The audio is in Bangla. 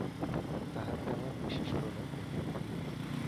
তাঁহাকে আমার বিশেষ প্রণয় কহিও।